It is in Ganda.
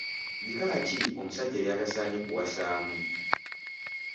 Bika ki omusajja by’atasanye kuwasaamu?.